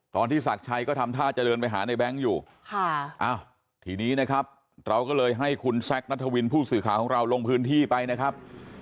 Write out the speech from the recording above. ศักดิ์ชัยก็ทำท่าจะเดินไปหาในแบงค์อยู่ทีนี้นะครับเราก็เลยให้คุณแซคนัทวินผู้สื่อข่าวของเราลงพื้นที่ไปนะครับ